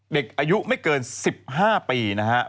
เด็กอายุไม่เกิน๑๕ปีนะฮะ